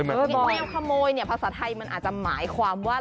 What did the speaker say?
กินแมวขโมยเนี่ยภาษาไทยมันอาจจะหมายความว่า